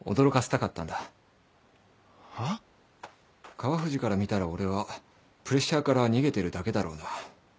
川藤から見たら俺はプレッシャーから逃げてるだけだろうな。